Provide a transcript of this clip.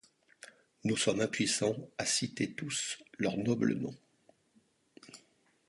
Nous sommes impuissant à citer tous leurs nobles noms.